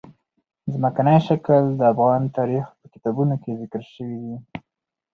ځمکنی شکل د افغان تاریخ په کتابونو کې ذکر شوي دي.